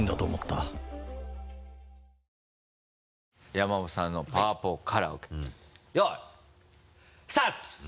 山本さんのパワポカラオケよいスタート！